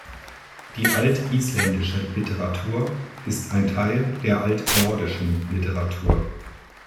Die altisländische Literatur ist ein Teil der altnordischen Literatur.